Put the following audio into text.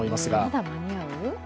まだ間に合う？